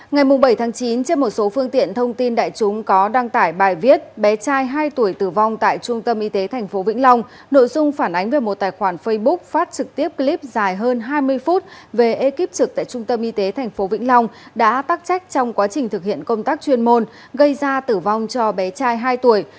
ngày bảy chín trên một số phương tiện thông tin đại chúng có đăng tải bài viết bé trai hai tuổi tử vong tại trung tâm y tế tp vĩnh long nội dung phản ánh về một tài khoản facebook phát trực tiếp clip dài hơn hai mươi phút về ekip trực tại trung tâm y tế tp vĩnh long đã tắc trách trong quá trình thực hiện công tác chuyên môn gây ra tử vong cho bé trai hai tuổi